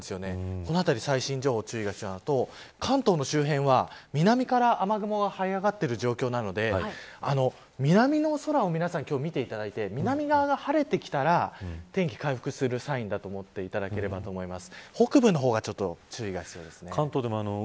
このあたり最新情報注意が必要なのと関東の周辺は南から雨雲がはい上がっている状況なので南の空を、皆さん見ていただいて南側が晴れてきたら天気が回復するサインだと思っていただければと思います。